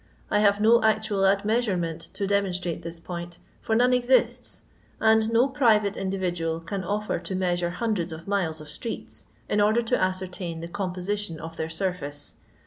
I have no actual admeasurement to demonstrate this noint, for none exists, and no' private individual can offer to measure hundreds of miles of streets in order to ascertain the comporition of their sur face.